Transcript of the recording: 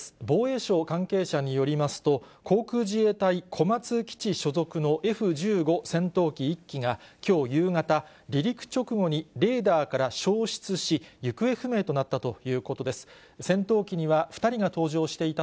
防衛省関係者によりますと、航空自衛隊小松基地所属のＦ１５戦闘機１機が、きょう夕方、離陸直後にレーダーから消失し、行方不明となったということです。